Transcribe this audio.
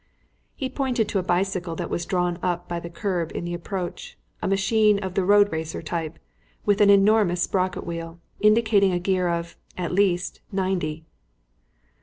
He pointed to a bicycle that was drawn up by the kerb in the approach a machine of the road racer type, with an enormous sprocket wheel, indicating a gear of, at least, ninety.